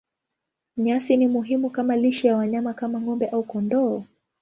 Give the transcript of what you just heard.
Nyasi ni muhimu kama lishe ya wanyama kama ng'ombe au kondoo.